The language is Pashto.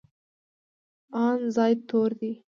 ان زاید توري دي.